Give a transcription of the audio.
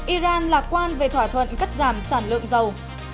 iran lạc quan về thỏa thuận cắt giảm sản lượng dầu